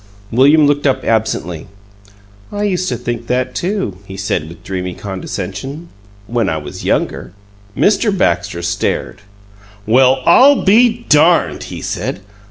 William looked up absently. "I used to think that, too," he said, with dreamy condescension, "when I was younger." Mr. Baxter stared. "Well, I'll be darned!" he said.